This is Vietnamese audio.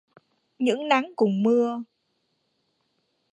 Những nắng cùng mưa